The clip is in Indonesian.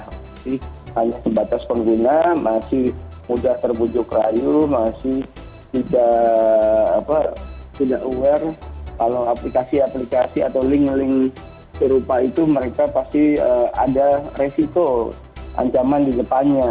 tapi hanya sebatas pengguna masih mudah terbujuk rayu masih tidak aware kalau aplikasi aplikasi atau link link serupa itu mereka pasti ada resiko ancaman di depannya